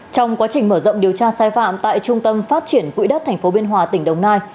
trong quá trình mở rộng điều tra sai phạm tại trung tâm phát triển quỹ đất tp biên hòa tỉnh đồng nai